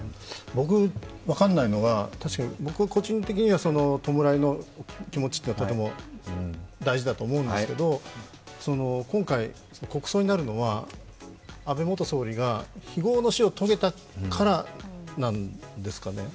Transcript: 僕、分からないのが個人的には弔いの気持ちというのは、とても大事だと思うんですけど、今回、国葬になるのは安倍元総理が非業の死を遂げたからなんですかね？